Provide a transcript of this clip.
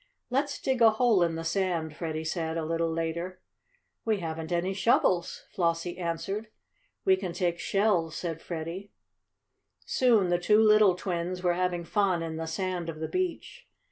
"Let's dig a hole in the sand," Freddie said, a little later. "We haven't any shovels," Flossie answered. "We can take shells," said Freddie. Soon the two little twins were having fun in the sand of the beach.